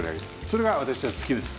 それが私は好きです。